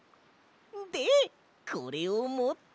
でこれをもって。